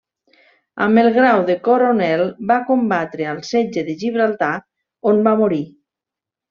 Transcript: Amb el grau de coronel, va combatre al setge de Gibraltar, on va morir.